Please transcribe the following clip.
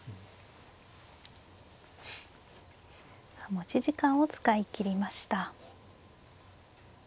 持ち時間を使い切りました。